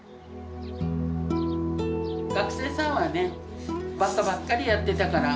学生さんはねバカばっかりやってたから。